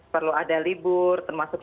perlu ada libur termasuk